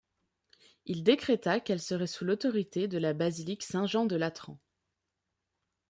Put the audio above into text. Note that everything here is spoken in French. Il décréta qu'elle serait sous l'autorité de la basilique Saint-Jean-de-Latran.